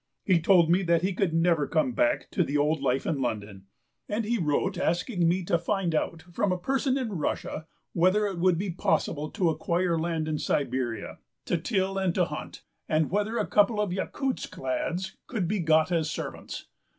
He told me that he could never come back to the old life in London. And he wrote asking me to find out from a person in Russia whether it would be possible to acquire land in Siberia to till and to hunt, and whether a couple of Yakutsk lads could be got as servants.